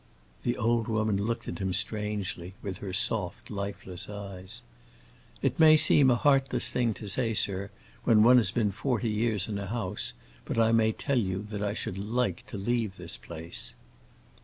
The old woman looked at him strangely, with her soft, lifeless eyes. "It may seem a heartless thing to say, sir, when one has been forty years in a house, but I may tell you that I should like to leave this place."